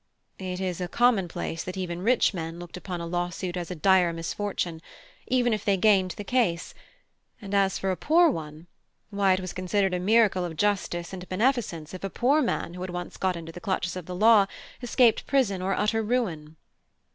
(I) It is a commonplace that even rich men looked upon a law suit as a dire misfortune, even if they gained the case; and as for a poor one why, it was considered a miracle of justice and beneficence if a poor man who had once got into the clutches of the law escaped prison or utter ruin.